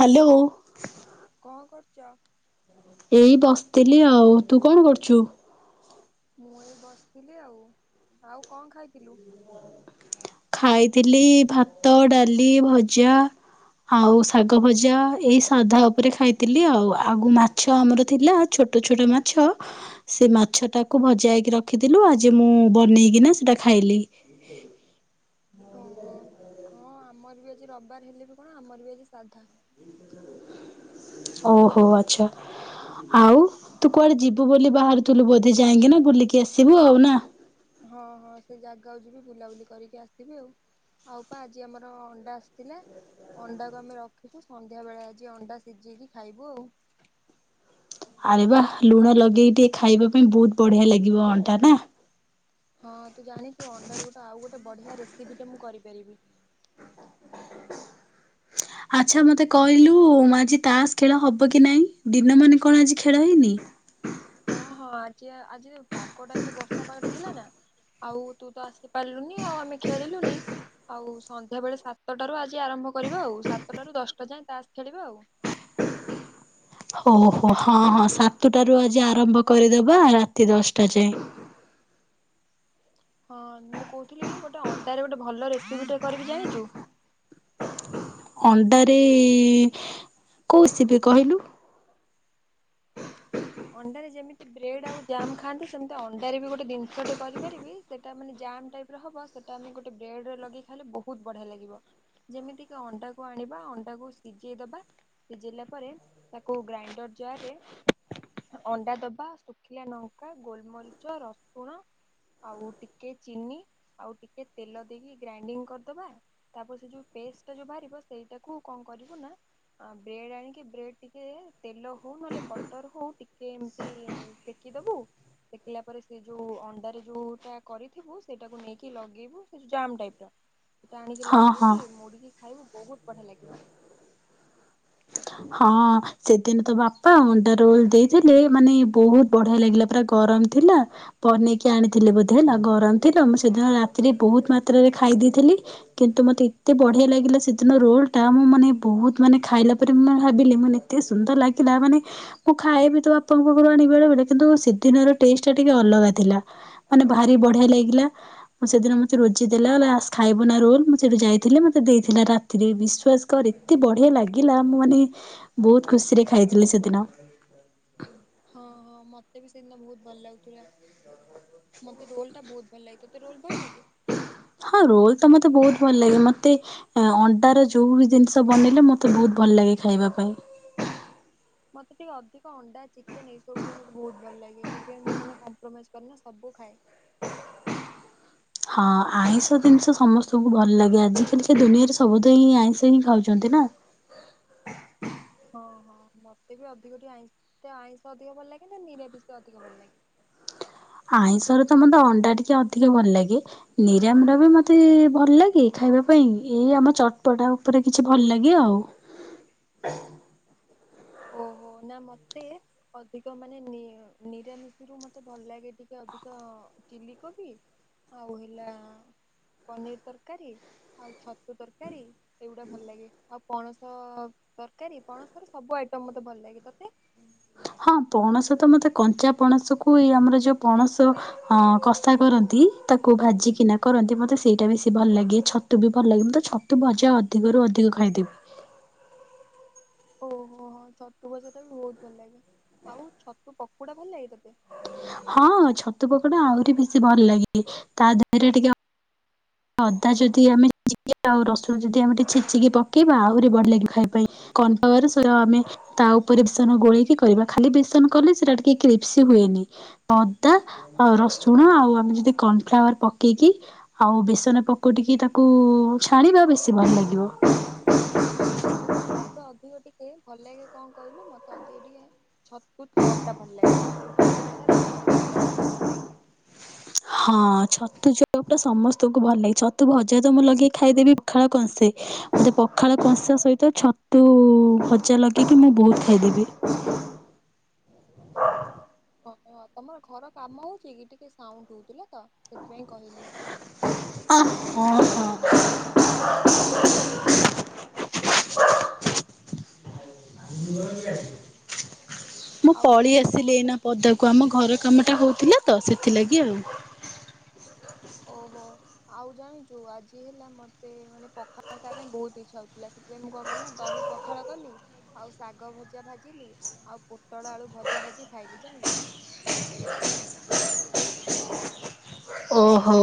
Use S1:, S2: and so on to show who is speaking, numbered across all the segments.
S1: Hello.
S2: କଁ କରୁଚ?
S1: ଏଇ ବସିଥିଲି ଆଉ। ତୁ କଣ କରୁଛୁ?
S2: ମୁଁ ଏଇ ବସିଥିଲି ଆଉ। ଆଉ କଣ ଖାଇଥିଲୁ?
S1: ଖାଇଥିଲି ଭାତ, ଡାଲି ଭଜା। ଆଉ ଶାଗ ଭଜା ଏଇ ସାଧା ଉପରେ ଖାଇଥିଲି ଆଉ। ଆଗ ମାଛ ଆମର ଥିଲା ଛୋଟ୍ ଛୋଟ ଛୋଟ ମାଛ ସେ ମାଛଟାକୁ ଭଜାଇକି ରଖିଥିଲୁ ଆଜି ମୁଁ ବନେଇକିନା ସେଟା ଖାଇଲି।
S2: ଓହୋ ହଁ ଆମର ବି ଆଜି ରବିବାର ହେଲେ ବି କଣ ଆମର ବି ଆଜି ସାଧା।
S1: ଅ ହ ଆଚ୍ଛା। ଆଉ ତୁ କୁଆଡ଼େ ଯିବୁ ବୋଲି ବାହାରୁଥିଲୁ ବୋଧେ ଯାଇକିନା ବୁଲିକି ଆସିବୁ ଆଉ ନା?
S2: ହଁ ହଁ ସେ ଜାଗାକୁ ଯିବି ବୁଲାବୁଲି କରିକି ଆସିବି ଆଉ। ଆଉ ପା ଆଜି ଆମର ଅଣ୍ଡା ଆସିଥିଲା। ଅଣ୍ଡାକୁ ଆମେ ରଖିଛୁ ସନ୍ଧ୍ୟା ବେଳେ ଆଜି ଅଣ୍ଡା ସିଝେଇକି ଖାଇବୁ ଆଉ।
S1: ଆରେ ବାଃ ଲୁଣ ଲଗେଇ ଟିକେ ଖାଇବା ପାଇଁ ବହୁତ ବଢିଆ ଲାଗିବ ଅଣ୍ଡା ନା?
S2: ହଁ ତୁ ଜାଣିଚୁ ଅଣ୍ଡାରେ ଗୋଟେ ଆଉ ଗୋଟେ ବଢିଆ ରେସିପିଟ ମୁଁ କରିପାରିବି।
S1: ଆଚ୍ଛା ମତେ କହିଲୁ ଆଜି ତାସ୍ ଖେଳ ହବ କି ନାହିଁ? ଦିନ ମାନେ କଣ ଆଜି ଖେଳ ହେଇନି?
S2: ହଁ ହଁ ଆଜି ଆ ଆଜି ପାଗଟା ଏମିତି ବର୍ଷା ପାଗଟା ଥିଲା ନା ଆଉ ତୁ ତ ଆସି ପାରିଲୁନି ଆଉ ଆମେ ଖେଳିଲୁନି ଆଉ ସନ୍ଧ୍ୟାବେଳେ ସାତଟାରୁ ଆଜି ଆରମ୍ଭ କରିବା ଆଉ ସାତଟାରୁ ଦଶଟା ଯାଏ ତାସ ଖେଳିବା ଆଉ।
S1: ହୋ ହୋ। ହଁ ହଁ, ସାତଟାରୁ ଆଜି ଆରମ୍ଭ କରିଦବା ରାତି ଦଶଟା ଯାଏ।
S2: ହଁ ମୁଁ କହୁଥିଲି ଗୋଟେ ଅଣ୍ଡାରେ ଗୋଟେ ଭଲ ରେସିପି ଟେ କରିବି ଜାଣିଛୁ।
S1: ଅଣ୍ଡାରେ କଉ ରେସିପି କହିଲୁ।
S2: ଅଣ୍ଡରେ ଯେମିତି ବ୍ରେଡ ଆଉ ଜାମ୍ ଖାଆନ୍ତି। ସେମିତି ଅଣ୍ଡାରେ ବି ଗୋଟେ ଜିନିଷ ଟେ କରିପାରିବି। ସେଟା ମାନେ ଜାମ୍ ଟାଇପ ର ହବ। ସେ ସେଟା ଆମେ ଗୋଟେ ବ୍ରେଡରେ ଲଗେଇ ଖାଇଲେ ବହୁତ ବଢିଆ ଲାଗିବ। ଯେମିତିକି ଅଣ୍ଡାକୁ ଆଣିବା ଅଣ୍ଡାକୁ ସିଜେଇଦବା ସିଜେଇଲା ପରେ ତାକୁ ଗ୍ରାଇଣ୍ଡର ଜାଆରେ ଅଣ୍ଡା ଦବା ଶୁଖିଲା ଲଙ୍କା ଗୋଲମରିଚ, ରସୁଣ ଆଉ ଟିକେ ଚିନି ଆଉ ଟିକିଏ ତେଲ ଦେଇକି ଗ୍ରାଇଣ୍ଡିଙ୍ଗ କରିଦେବା ତାପରେ ସେ ଯୋଉ ପେଷ୍ଟ ଟା ଯୋଉ ବାହାରିବ ସେଇଟାକୁ କଣ କରିବୁ ନା ଆ ବ୍ରେଡ ଆଣିକି ବ୍ରେଡ ଟିକେ ତେଲ ହଉ। ନହେଲେ ବ ଟର ହଉ, ଟିକେ ଏମିତି ସେକିଦବୁ ସେକିଲା ପରେ ସେ ଯୋଉ ଅଣ୍ଡାରେ ଯୋଉଟା କରିଥିବୁ। ସେଇଟାକୁ ନେଇକି ଲଗେଇବୁ ସେ ଯୋ ଜାମ୍ ଟାଇପ୍ ର ସେଟା ଆଣିକି
S1: ହଁ ହଁ
S2: ଲଗେଇକି ମୁଡିକି ଖାଇବୁ ବହୁତ ବଢିଆ ଲାଗିବ।
S1: ହଁ। ସେଦିନ ତ ବାପା ଅଣ୍ଡା ରୋଲ ଦେଇଥିଲେ ମାନେ ବହୁତ ବଢିଆ ଲାଗିଲା ପୁରା ଗରମ ଥିଲା ବନେଇକି ଆଣିଥିଲେ ବୋଧେ ହେଲା। ଗରମ ଥିଲା ମୁଁ ସେଦିନ ରାତିରେ ବହୁତ ମାତ୍ରାରେ ଖାଇ ଦେଇେଇଥିଲି କିନ୍ତୁ ମତେ ଏତେ ବଢିଆ ଲାଗିଲା ସେଦିନ ରୋଲ ଟା। ମୁଁ ମାନେ ବହୁତ ମାନେ ଖାଇଲା ରେ ଭାବିଲି ମାନେ ଏତେ ସୁନ୍ଦର ଲାଗିଲା। ମାନେ ମୁଁ ଖାଇଏବି ତ ବାପାଙ୍କ ଘରୁ ଆଣିବ ବେଳେ ବେଳେ କିନ୍ତୁ ସିଦିନ ର ଟେଷ୍ଟ ଟା ଟିକେ ଅଲଗା ଥିଲା। ମାନେ ଭାରି ବଢିଆ ଲାଗିଲା। ମୁଁ ସେଦିନ ମତେ ରୋଜି ଦେଲା ହେଲା ଆସ ଖାଇବୁ ନା ରୋଲ। ମୁଁ ସେଇଠୁ ଯାଇଥିଲି ମତେ ଦେଇଥିଲା। ରା ଥିରେ ବିଶ୍ଵାସ କର ଏତେ ବଢିଆ ଲାଗିଲା। ମୁଁ ମାନେ ବହୁତ ଖୁସିରେ ଖାଇଥିଲି ସେଦିନ।
S2: ହଁ ହଁ ମତେ ବି ସେଦିିନ ବହୁତ ଭଲ ଲାଗୁଥିଲା। ମତେ ରୋଲ ଟା ବହୁତ ଭଲ ଲାଗେ ତତେ ରୋଲ ଭଲ ଲାଗେ?
S1: ହଁ ରୋଲ ତ ମତେ ବହୁତ ଭଲ ଲାଗେ। ମତେ ଅଁ ଅଣ୍ଡା ରେ ଯୋଉ ବି ଜିନିଷ ବନେଇଲେ ମତେ ବହୁତ ଭଲ ଲାଗେ ଖାଇବା ପାଇଁ।
S2: ମୋତେ ଟିକେ ଅଧିକ ଅଣ୍ଡା ଚିକେନ ଏଇସବୁ ଟିକେ ମୋତେ ବହୁତ ଭଲ ଲାଗେ। ସେଥିପାଇଁ ମୁଁ ମାନେ କମ୍ପ୍ରମାଇଜ୍ କରେ ନା ସବୁ ଖାଏ।
S1: ହଁ ଆଇଁଷ ଜିନିଷ ସମସ୍ତଙ୍କୁ ଭଲ ଲାଗେ ଆଜିକାଲିକା ଦୁନିଆରେ ସବୁତ ହିଁ ଆଇଁଷ ହିଁ ଖାଉଛନ୍ତି ନା।
S2: ହଁ ହଁ ମତେ ବି ଅଧିକ ଟିକେ ଆଇଁ ଆଇଁଷ ଅଧିକ ଭଲ ଲାଗେ ନା ନିରାମିଷ ଅଧିକ ଭଲ ଲାଗେ?
S1: ଆଇଁଷ ର ତ ମୋତେ ଅଣ୍ଡା ଟିକେ ଅଧିକ ଭଲ ଲାଗେ। ନିରାମ ର ବି ମତେ ଭଲ ଲାଗେ ଖାଇବା ପାଇଁ। ଏଇ ଆମ ଚଟପଟା ଉପରେ କିଛି ଭଲ ଲାଗେ ଆଉ
S2: ଓହୋ ନା ମତେ ଅଧିକ ମାନେ ନି ନିରାମିଷରୁ ମତେ ଭଲ ଲାଗେ ଟିକେ ଅଧିକ ଚିଲି କୋବି ଆଉ ହେଲା ପନିର ତରକାରୀ ଆଉ ଛତୁ ତରକାରୀ ଏଉଡ଼ା ଭଲ ଲାଗେ। ଆଉ ପଣସ ତରକାରୀ ପଣସର ସବୁ ଆଇଟମ୍ ମୋତେ ଭଲ ଲାଗେ ତତେ?
S1: ହଁ ପଣସ ତ ମତେ କଞ୍ଚା ପଣସକୁ ଏଇ ଆମର ଯୋଉ ପଣସ ଅ କଷା କରନ୍ତି ତାକୁ ଭାଜିିକିନା କରନ୍ତି। ମତେ ସେଇଟା ବେଶୀ ଭଲ ଲାଗେ ଛତୁ ବି ଭଲ ଲାଗେ। ମତେ ଛ ତୁ ଭଜା ଅଧିକରୁ ଅଧିକ [unintelligible] ଖାଇଦେବୁ।
S2: ଓହୋ ଛତୁ ଭଜା ଟା ବି ବହୁତ ଭଲ ଲାଗେ। ଆଉ ଛତୁ ପକୋଡ଼ା ଭଲ ଲାଗେ ତୋତେ?
S1: ହଁ ଛତୁ ପକଡା ଆହୁରି ବେଶୀ ଭଲ ଲାଗେ। ତା ଦେହରେ ଟିକେ ଅଦା ଯଦି ଆମେ ଚିକେ ଆଉ ରସୁଣ ଯଦି ଆମେ ଟିକେ ଛେଚିକି ପକେଇବା ଆହୁରି ବଢି ଲାଗିବ ଖାଇବା ପାଇଁ କର୍ଣଫ୍ଲାୱାର ସର ଆମେ। ତା ଉପରେ ବେସନ ଗୋଳେଇକି କରିବା। ଖାଲି ବେସନ କଲେ ସେଟା ଟିକେ କ୍ରିପ୍ସି ହୁଏନି ଅଦା ଆଉ ରସୁଣ ଆଉ ଆମେ ଯଦି କର୍ଣଫ୍ଲାୱାର ପକେଇକି? ଆଉ ବେଶ ବେସନ ପକୋଡିକି ତାକୁ ଛାଣିବା ବେଶୀ ଭଲ ଲାଗିବ
S2: ମତେ ଅଧିକ ଟିକେ ଭଲ ଲାଗେ କଣ କହିଲୁ? ମତେ ଅଧିକ ଟିକେ ଛତୁ ଚପ୍ ଟା ଭଲ ଲାଗେ ଛତୁ ପକୁଡା ଠାରୁ ଛତୁ ଚପ୍ ଟା ଭଲ ଲାଗେ।
S1: ହଁ ଛତୁ ଚପ ଟା ସମସ୍ତଙ୍କୁ ଭଲ ଲାଗେ ଛତୁ ଭଜା ତ ମୁଁ ଲଗେଇ ଖାଇଦେବି ପଖାଳ କନ୍ସେ। ମୋତେ ପଖାଳ କଂସା ସହିତ ଛତୁ ଭଜା ଲଗେଇକି ମୁଁ ବହୁତ ଖାଇଦେବି।
S2: ହ ତମର ଘର କାମ ହଉଛି କି ଟିକେ ସାଉଣ୍ଡ ହଉଥିଲା ତ ସେଥିପାଇଁ କହିଲି।
S1: ଅଁ ହଁ ହଁ।
S2: [inaudible]
S1: [unintelligible] ମୁଁ
S2: ଆଉ
S1: ପଳେଇ
S2: ଜାଣିଛୁ
S1: ଆସିଲି
S2: ମତେ
S1: ଏଇନା ପଦା। କୁ ଆମ ଘର କାମଟା ହଉଥିଲା ତ ସେଥିଲାଗି ଆଉ।
S2: ଓହୋ। ଆଉ ଜାଣିଛୁ ଆଜି ହେଲା ମତେ ମାନେ ପଖାଳ ଖାଇବା ପାଇଁ ବହୁତ ଇଛା ହଉଥିଲା ସେଥିପାଇଁ ମୁଁ କଣ ନା ଦହି ପଖାଳ କଲି ଆଉ ଶାଗ ଭଜା ଭାଜିଲି ଆଉ ପୋଟଳ ଆଳୁ ଭଜା ଭାଜି ଖାଇଲି ଜାଣିଲୁ।
S1: ଓହୋ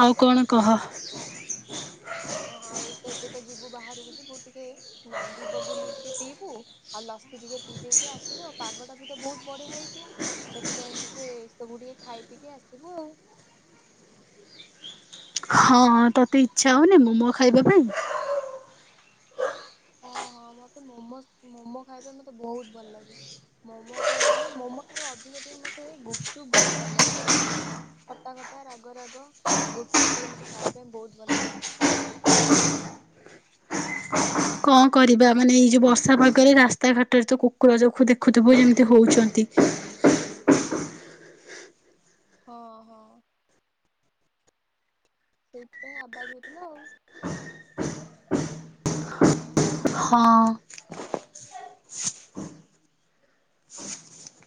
S1: ଆଉ କଣ କହ?
S2: ହଁ ଆଉ ଏଇ ତ ଏବେ ତ ଯିବୁ ବାହାରକୁ ଯିବୁ ଟିକେ ନାନ୍ଡୀ ବଗୁଲି ଟିକେ ପିଇବୁ। ଆଉ ଲସି ଟିକେ ପିଇ ଦେଇକି ଆସିବୁ ଆଉ। ପାଗ ଟା ବି ତ ବହୁତ ବଢିଆ ହେଇଛି। ସେଥିପାଇଁ ଟିକେ ସବୁ ଟିକେ ଖାଇ ପିକି ଆସିଥିବୁ ଆଉ
S1: ହଁଁ ତତେ ଇଚ୍ଛା ହଉନି ମୋମୋ ଖାଇବା ପାଇଁ
S2: ହଁ ହଁ ମତେ ମୋମୋଜ୍ ମୋମୋ ଖାଇବା ମତେ ବହୁତ ଭଲ ଲାଗେ। ମୋମୋ ଖାଇବ ମାନେ ମୋମୋ ଠାରୁ ଅଧିକ ଟିକେ ମତେ ଏ ଗୁପଚୁପ୍ ବହୁତ ଭଲ ଲାଗେ ଖାଇବା ପାଇଁ। ଖଟା ଖଟା ରାଗ ରାଗ ଗୁପ୍ଚୁପ୍ ଟିକେ ମୋତେ ଖାଇବା ପାଇଁ ବହୁତ ଭଲ ଲାଗେ।
S1: କଣ କରିବା ମାନେ ଏଇ ଯଉ ବର୍ଷା ପାଗରେ ରାସ୍ତାଘାଟରେ ତ କୁକୁର ଯ ଦେଖୁଥିବୁ ଯେମିତି ହଉଛନ୍ତି।
S2: ହଁ ହଁ। ସେଇଥିପାଇଁ ଆବାଜ ହଉଥିଲା ଆଉ।
S1: ହଁ।